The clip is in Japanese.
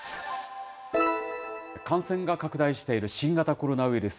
感染が拡大している新型コロナウイルス。